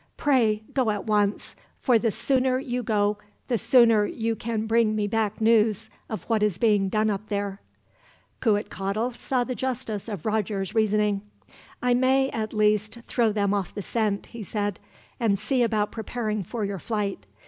Pray go at once, for the sooner you go the sooner you can bring me back news of what is being done up there." Cuitcatl saw the justice of Roger's reasoning. "I may, at least, throw them off the scent," he said, "and see about preparing for your flight.